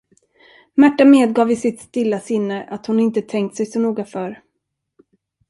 Märta medgav i sitt stilla sinne att hon inte tänkt sig så noga för.